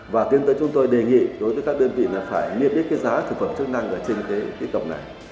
và tiếp tục chúng tôi đề nghị đối với các đơn vị là phải nghiêm biết cái giá thực phẩm chức năng ở trên cái cổng này